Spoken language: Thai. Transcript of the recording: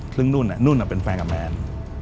ซึ่งนู้นเป็นแฟนกับแมน